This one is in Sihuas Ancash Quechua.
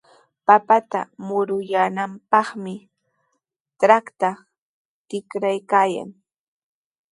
Papata muruyaananpaqmi trakrta tikraykaayan.